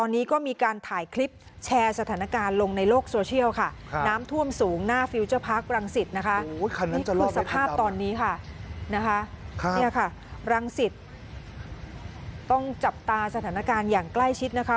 นี่คือสภาพตอนนี้ค่ะรังสิทธิ์ต้องจับตาสถานการณ์อย่างใกล้ชิดนะคะ